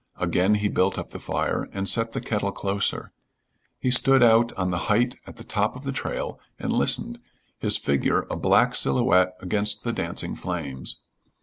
Again he built up the fire, and set the kettle closer. He stood out on the height at the top of the trail and listened, his figure a black silhouette against the dancing flames.